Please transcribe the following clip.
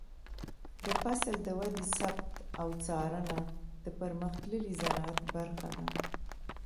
د فصل د ودې ثبت او څارنه د پرمختللي زراعت برخه ده.